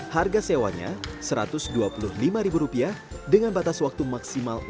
harga sewanya satu ratus dua puluh lima ribu rupiah dengan batas waktu maksimal enam jam